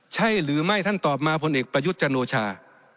ใช่หรือไม่ท่านตอบมาพลเอกประยุทธ์จันโอชา